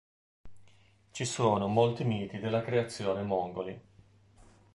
Ci sono molti miti della creazione mongoli.